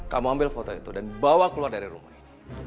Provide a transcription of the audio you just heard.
kamu ambil foto itu dan bawa keluar dari rumah ini